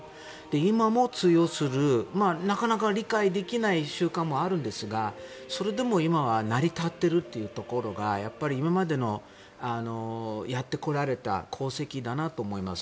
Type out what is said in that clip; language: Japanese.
今も通用するなかなか理解できない習慣もあるんですがそれでも今は成り立っているというところがやっぱり今までのやってこられた功績だなと思います。